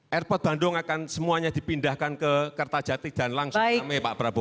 airport bandung akan semuanya dipindahkan ke kertajati dan langsung rame pak prabowo